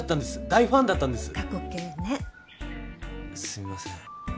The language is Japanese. すみません。